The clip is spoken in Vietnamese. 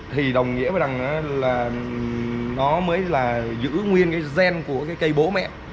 thì đồng nghĩa là nó mới giữ nguyên gen của cây bố mẹ